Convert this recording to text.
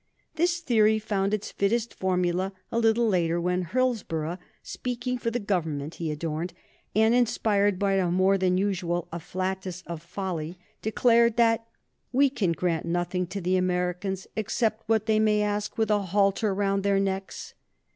This theory found its fittest formula a little later, when Hillsborough, speaking for the Government he adorned, and inspired by a more than usual afflatus of folly, declared that "we can grant nothing to the Americans except what they may ask with a halter round their necks."